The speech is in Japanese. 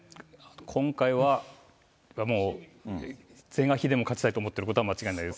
今回はもう是が非でも勝ちたいと思っていることは間違いないです。